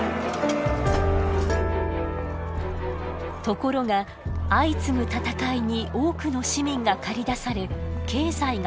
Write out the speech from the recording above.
ところが相次ぐ戦いに多くの市民が駆り出され経済が混乱。